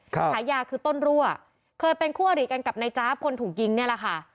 ฉายาคือต้นรั่วเคยเป็นคู่อริกันกับนายจ๊าบคนถูกยิงเนี่ยแหละค่ะ